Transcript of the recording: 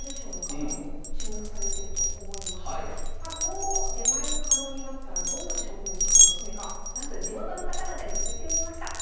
今後出前も可能になったらどんな勝負めしがおすすめかなんと地元の方々に聞いてみました。